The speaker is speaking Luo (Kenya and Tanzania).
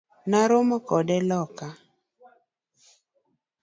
Naromo kode loka.